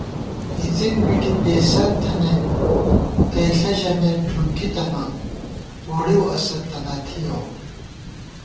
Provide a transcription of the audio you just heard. اِڅِن پٹی پېئیسنت تھِمېم، تئیݪہ ژمېت ٹُھنکی تنہ، ووڑِؤاسہ تہ تھِیَؤ